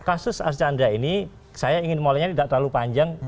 kasus arcanda ini saya ingin memulainya tidak terlalu panjang